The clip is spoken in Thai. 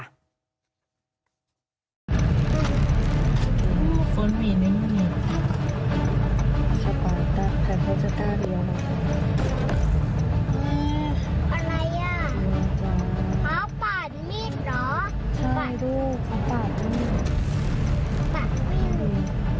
เข้าป่านมีดเหรอ